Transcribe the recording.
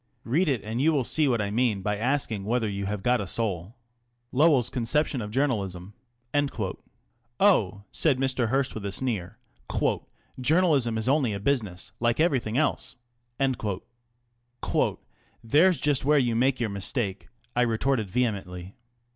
Read it and you will see what I mean by asking whether you have got a soul. Lowell's conception of journalism " "Oh," said Mr. Hearst with a sneer, "journalism is only a business, like everything else !"" There's just where you make your mistake," I retorted vehem ently.